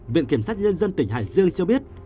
viện kiểm sát nhân dân tỉnh hải dương cho biết